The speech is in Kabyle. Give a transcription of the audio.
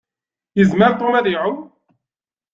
Yezmer Tom ad iɛumm.